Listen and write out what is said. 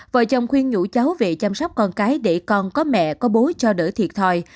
vợ chồng khuyên nhũ cháu về chăm sóc con cái để con có mẹ có bố cho đỡ thiệt thòi